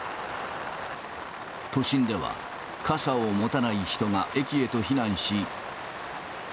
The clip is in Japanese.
都心では、傘を持たない人が駅へと避難し。